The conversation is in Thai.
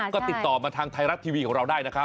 ก็ติดต่อมาทางไทยรัฐทีวีของเราได้นะครับ